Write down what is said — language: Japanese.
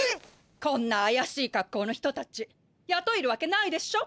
こんなあやしいかっこうの人たちやとえるわけないでしょ。